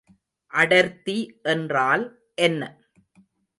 அடர்த்தி என்றால் என்ன?